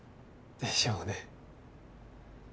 でしょうね。